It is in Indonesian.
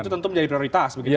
itu tentu menjadi prioritas